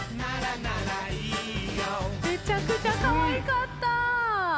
めちゃくちゃかわいかった！